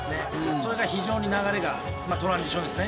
それが非常に流れがまあトランジションですね